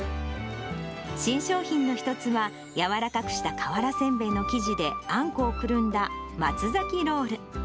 新商品の一つは、柔らかくした瓦煎餅の生地であんこをくるんだ松崎ロール。